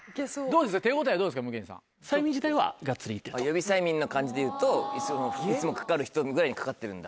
予備催眠の感じでいうといつもかかる人ぐらいかかってるんだ。